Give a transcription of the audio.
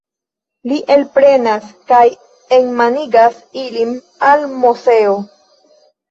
Li elprenas kaj enmanigas ilin al Moseo.